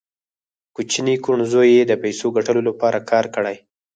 کوچني کوڼ زوی یې د پیسو ګټلو لپاره کار کړی